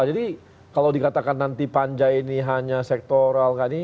jadi kalau dikatakan nanti panja ini hanya sektoral